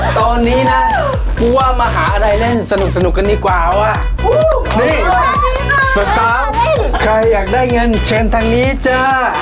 ตอนนี้นะผู้ว่ามาหาอะไรเล่นสนุกสนุกกันดีกว่าว่านี่สุดท้ายใครอยากได้เงินเชิญทางนี้จ้า